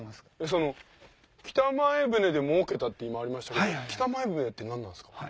その北前船でもうけたって今ありましたけど北前船って何なんですか？